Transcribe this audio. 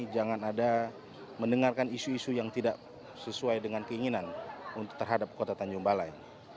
jangan ada mendengarkan isu isu yang tidak sesuai dengan keinginan terhadap kota tanjung balai